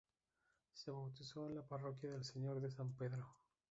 Se bautizó en la parroquia del Señor de San Pedro.